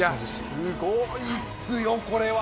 すごいですよこれは！